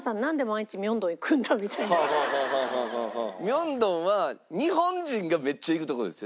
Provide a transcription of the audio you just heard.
明洞は日本人がめっちゃ行くとこですよね。